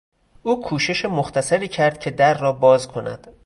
او کوشش مختصری کرد که در را باز کند.